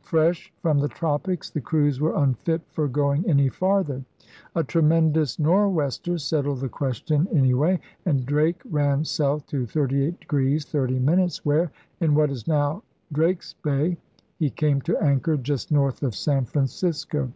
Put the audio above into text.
Fresh from the tropics, the crews were unfit for going any farther. A tremendous nor 'wester settled the question, any way; and Drake ran south to 38° 30', where, in what is now Drake's Bay, he came to anchor just north of San Francisco.